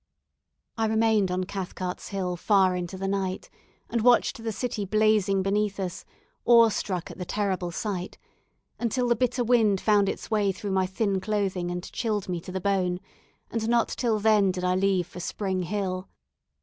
I remained on Cathcart's Hill far into the night, and watched the city blazing beneath us, awe struck at the terrible sight, until the bitter wind found its way through my thin clothing, and chilled me to the bone; and not till then did I leave for Spring Hill.